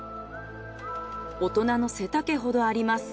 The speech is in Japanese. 大人の背丈ほどあります。